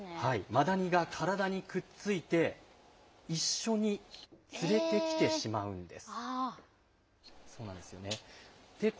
マダニが体にくっついて、一緒に連れてきてしまうんです。